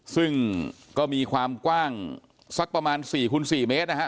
ซึ่งก็มีความกว้างสักประมาณ๔คูณ๔๔เมตรนะฮะ